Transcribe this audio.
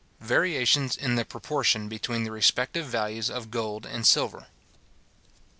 _Variations in the Proportion between the respective Values of Gold and Silver.